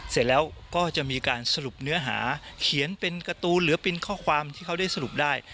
เสร็จแล้วก็จะมีการสรุปเนื้อหาเขียนเป็นการ์ตูนหรือเป็นข้อความที่เขาได้สรุปได้